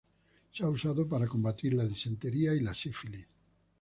Se ha usado para combatir la disentería y la sífilis.